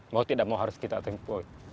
mau tidak mau harus kita temploy